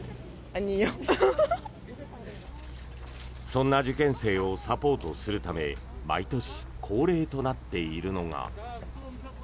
そんな受験生をサポートするため毎年、恒例となっているのが。